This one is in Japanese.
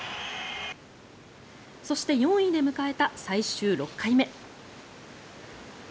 そして、４位で迎えた最終６回目。